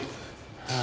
ああ。